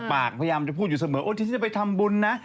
พยายามจะพูดอยู่เสมอที่ฉันจะไปทำบุญนะ